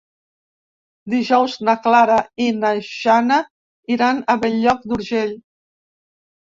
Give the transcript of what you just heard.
Dijous na Clara i na Jana iran a Bell-lloc d'Urgell.